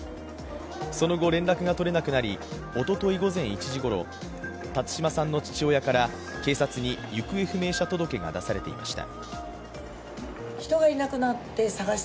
その後、連絡が取れなくなりおととい午前１時ごろ辰島さんの父親から警察に行方不明者届が出されていました。